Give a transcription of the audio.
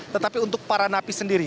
tetapi untuk para napi sendiri